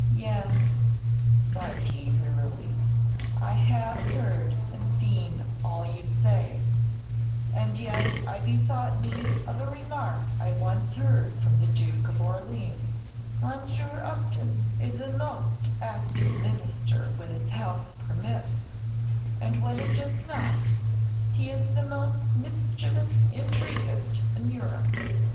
"Yes," sighed he, wearily, "I have heard and seen all you say; and yet I bethought me of a remark I once heard from the Duke of Orleans: 'Monsieur Upton is a most active minister when his health permits; and when it does not, he is the most mischievous intriguant in Europe.'"